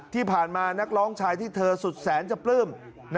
ที่ผ่านมานักร้องชายที่เธอสุดแสนจะปลื้ม